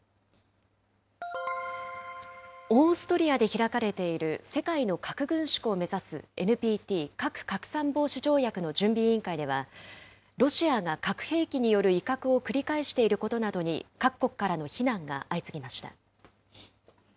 オーストリアで開かれている世界の核軍縮を目指すＮＰＴ・核拡散防止条約の準備委員会では、ロシアが核兵器による威嚇を繰り返していることなどに各国からの非難が相次ぎました。